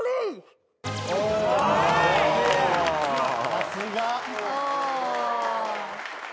さすが。